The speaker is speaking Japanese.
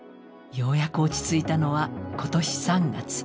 ようやく落ち着いたのは今年３月。